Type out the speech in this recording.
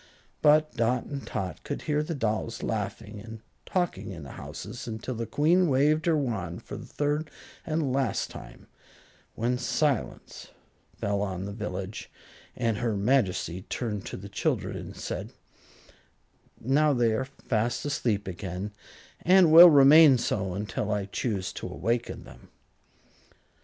But Dot and Tot could hear the dolls laughing and talking in the houses until the Queen waved her wand for the third and last time, when silence fell on the village, and her Majesty turned to the children and said: "Now they are fast asleep again, and will remain so until I choose to awaken them."